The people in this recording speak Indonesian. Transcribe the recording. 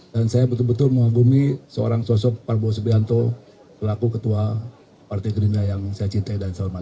dan saya betul betul mengagumi seorang sosok prabowo subianto selaku ketua partai gerindra yang saya cintai dan selamat